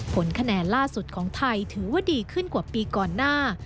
ผลคะแนนล่าสุดของไทยถือว่าดีขึ้นกว่าปีก่อนหน้า